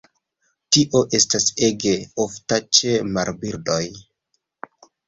Tio estas ege ofta ĉe marbirdoj.